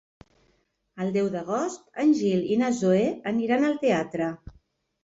El deu d'agost en Gil i na Zoè aniran al teatre.